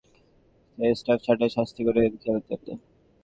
সেই অনুযায়ী হতে পারে কোচিং স্টাফ ছাঁটাই, শাস্তি হতে পারে খেলোয়াড়দেরও।